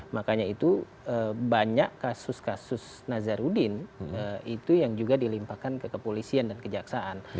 makanya itu banyak kasus kasus nazarudin itu yang juga dilimpahkan ke kepolisian dan kejaksaan